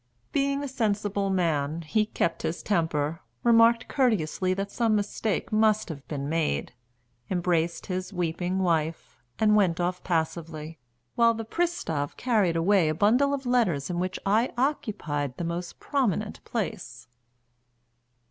Being a sensible man, he kept his temper, remarked courteously that some mistake must have been made, embraced his weeping wife, and went off passively, while the pristav carried away a bundle of letters in which I occupied the most prominent place.